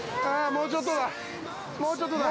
◆もうちょっとだ。